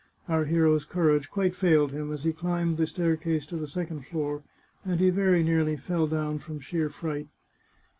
Our hero's courage quite failed him as he climbed the staircase to the second floor, and he very nearly fell down from sheer fright.